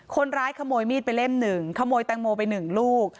คนร้ายขโมยมีดไปเล่มหนึ่งขโมยแตงโมไปหนึ่งลูก